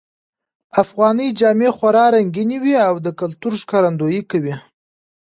افغانۍ جامې خورا رنګینی وی او د کلتور ښکارندویې کوی